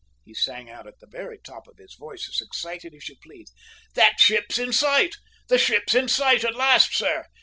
he sang out at the very top of his voice, as excited as you please. "That ship's in sight! the ship's in sight, at last, sir.